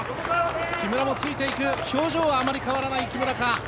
木村もついて行く、表情はあまり変わらないか。